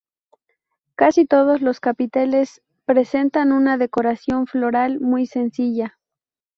Casi todos los capiteles presentan una decoración floral muy sencilla.